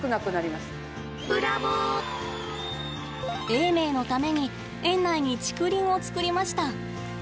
永明のために園内に竹林をつくりました。